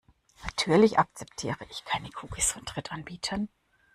Natürlich akzeptiere ich keine Cookies von Drittanbietern.